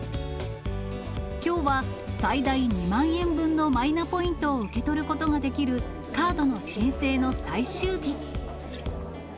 きょうは最大２万円分のマイナポイントを受け取ることができるカードの申請の最終日。